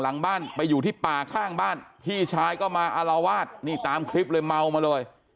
หลังบ้านไปอยู่ที่ป่าข้างบ้านพี่ชายก็มาอารวาสนี่ตามคลิปเลยเมามาเลย